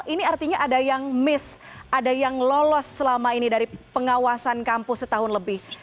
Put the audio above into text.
ini artinya ada yang miss ada yang lolos selama ini dari pengawasan kampus setahun lebih